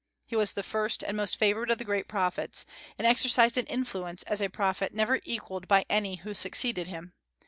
He was the first and most favored of the great prophets, and exercised an influence as a prophet never equalled by any who succeeded him.